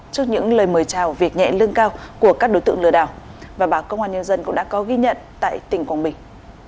trước những lời mời chào việc nhẹ lưng cao của các đối tượng lừa đảo bà công an nhân dân cũng đã có ghi nhận tại tỉnh quảng bình